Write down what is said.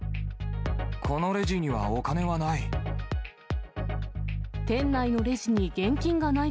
このレジにはお金はない。